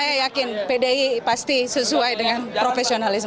saya yakin pdi pasti sesuai dengan profesionalisme